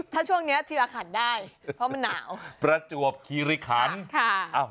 ถ้าช่วงเนี้ยทีรขันได้เพราะมันหนาวประจวบคีริคันค่ะ